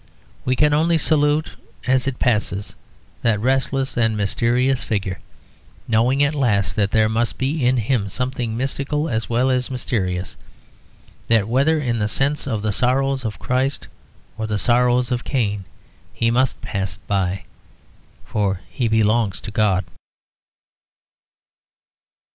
We can only salute as it passes that restless and mysterious figure, knowing at last that there must be in him something mystical as well as mysterious; that whether in the sense of the sorrows of Christ or of the sorrows of Cain, he must pass by, for he belongs to God.